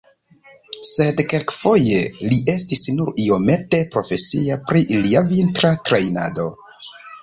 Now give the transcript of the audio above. Sed kelkfoje li estis nur iomete profesia pri lia vintra trejnado.